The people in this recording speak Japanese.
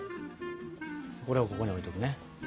これはここに置いとくね。